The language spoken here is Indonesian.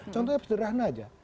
contohnya sederhana aja